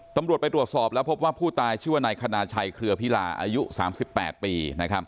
ตำรวจไปตรวจสอบแล้วพบว่าผู้ตายชื่อว่านายคณาชัยเครือพิลาอายุ๓๘ปี